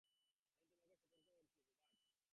আমি তোমাকে সতর্ক করছি, হুবার্ট।